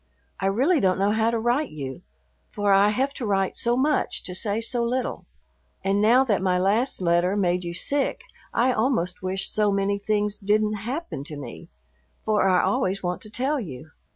I really don't know how to write you, for I have to write so much to say so little, and now that my last letter made you sick I almost wish so many things didn't happen to me, for I always want to tell you.